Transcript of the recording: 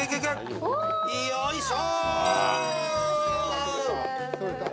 よいしょ。